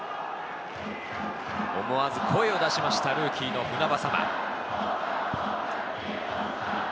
思わず声を出しましたルーキーの船迫。